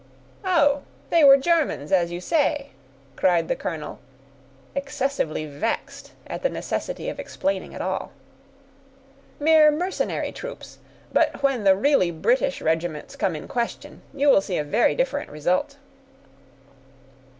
"Oh! they were Germans, as you say," cried the colonel, excessively vexed at the necessity of explaining at all; "mere mercenary troops; but when the really British regiments come in question, you will see a very different result."